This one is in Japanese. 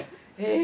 え！